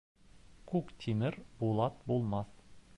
Күк тимер булат булмаҫ.